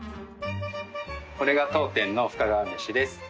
これが当店の深川めしです。